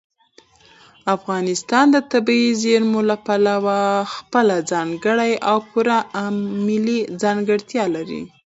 افغانستان د طبیعي زیرمې له پلوه خپله ځانګړې او پوره ملي ځانګړتیا لري.